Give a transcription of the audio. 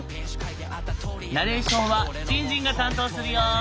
ナレーションはじんじんが担当するよ！